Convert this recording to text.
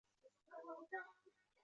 雁田抗英旧址的历史年代为清代。